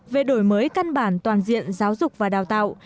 về đổi mới căn bản toàn diện giáo dục và đào tạo